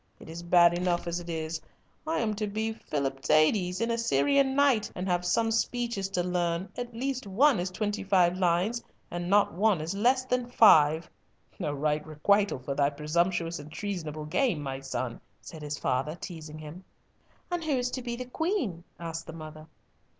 It is bad enough as it is. I am to be Philidaspes, an Assyrian knight, and have some speeches to learn, at least one is twenty five lines, and not one is less than five!" "A right requital for thy presumptuous and treasonable game, my son," said his father, teasing him. "And who is to be the Queen?" asked the mother.